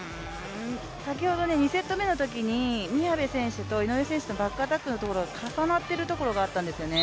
先ほど２セット目のときに宮部選手と井上選手のバックアタックのところが重なっているところがあったんですよね。